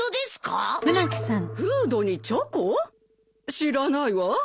知らないわ。